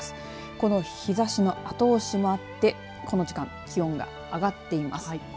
この日ざしの後押しもあってこの時間気温が上がっています。